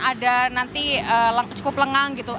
ada nanti cukup lengang gitu